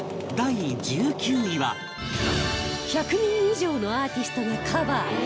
第１９位は１００人以上のアーティストがカバー！